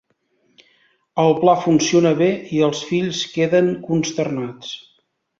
El pla funciona bé i els fills queden consternats.